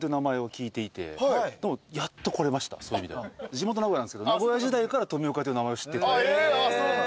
地元名古屋なんですけど名古屋時代から富岡っていう名前を知ってて。